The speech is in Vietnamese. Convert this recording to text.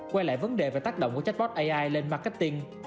quay lại vấn đề về tác động của chatbot ai lên marketing